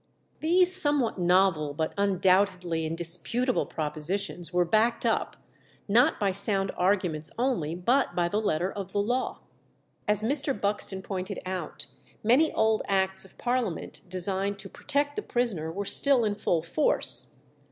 These somewhat novel but undoubtedly indisputable propositions were backed up, not by sound arguments only, but by the letter of the law. As Mr. Buxton pointed out, many old acts of parliament designed to protect the prisoner were still in full force.